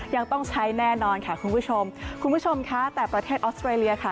ยังต้องใช้แน่นอนค่ะคุณผู้ชมคุณผู้ชมค่ะแต่ประเทศออสเตรเลียค่ะ